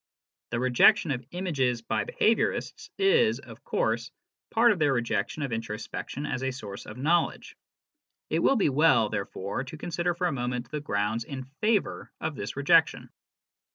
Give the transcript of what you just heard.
The rejection of images by behaviourists is, of course, part of their rejection of introspection as a source of knowledge. It will be well, therefore, to consider for a moment the grounds in favour of this rejection.